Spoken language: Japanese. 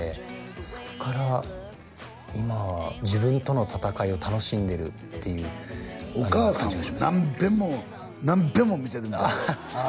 そっから今は自分との闘いを楽しんでるっていうお母さんは何べんも何べんも見てるみたいよ